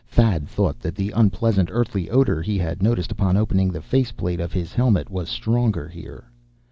Thad thought that the unpleasant earthy odor he had noticed upon opening the face plate of his helmet was stronger here.